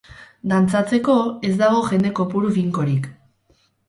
Dantzatzeko, ez dago jende kopuru finkorik.